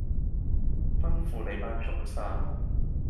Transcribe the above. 吩咐你班畜牲